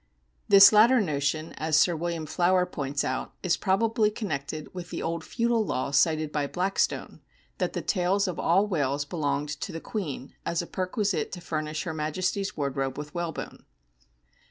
" The latter notion," as Sir William Flower points out, "is probably connected with the old feudal law cited by Blackstone, that the tails of all whales belonged to the Queen as a perquisite to furnish her Majesty's wardrobe with whalebone."